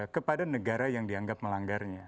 kepada negara yang dianggap melanggarnya